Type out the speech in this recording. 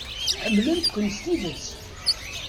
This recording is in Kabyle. Ḥemmlent-ken s tidet.